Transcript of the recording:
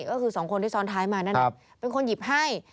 ก็คือสองคนที่ซ้อนท้ายมานั่นเป็นคนหยิบให้